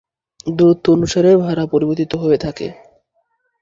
দুরত্ব অনুসারে এই ভাড়া পরিবর্তিত হয়ে থাকে।